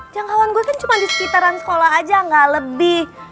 jangkauan gue kan cuma di sekitaran sekolah aja gak lebih